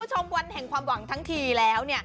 ชมวันแห่งความหวังทั้งทีแล้ว